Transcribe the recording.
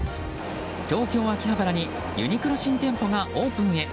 東京・秋葉原にユニクロ新店舗がオープンへ。